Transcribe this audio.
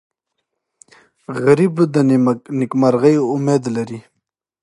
غریب د نیکمرغۍ امید لري